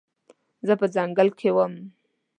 زه په ځنګل کې وم